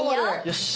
よし！